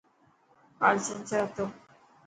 ڪال چنڇر هتو.